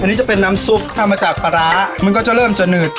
อันนี้จะเป็นน้ำซุปทำมาจากปลาร้ามันก็จะเริ่มจะหนืด